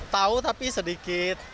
tahu tapi sedikit